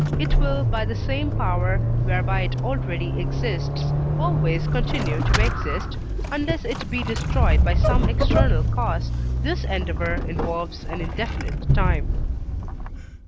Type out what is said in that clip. it will by the same power whereby it already exists always continue to exist, unless it be destroyed by some external cause, this endeavour involves an indefinite time.